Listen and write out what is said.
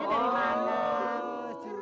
oh namanya dari mana